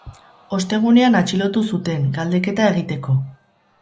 Ostegunean atxilotu zuten, galdeketa egiteko.